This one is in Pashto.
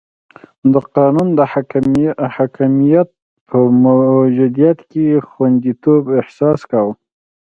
د قانون د حاکمیت په موجودیت کې خونديتوب احساس کاوه.